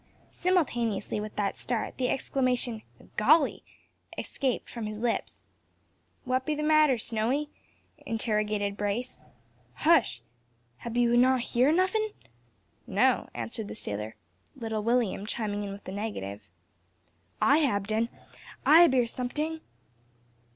Simultaneously with that start the exclamation "Golly!" escaped from his lips. "What be the matter, Snowy?" interrogated Brace. "Hush! Hab ye no hear nuffin'?" "No," answered the sailor, little William chiming in with the negative. "I hab den, I hab hear someting."